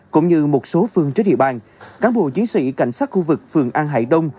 cũng như một số phương trên địa bàn cán bộ chiến sĩ cảnh sát khu vực phường an hải đông